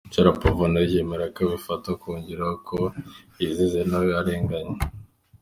Sharapova nawe yemera ko abifata, akongeraho ko yizize ntawe arenganya